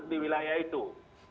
anda tidak masuk di wpb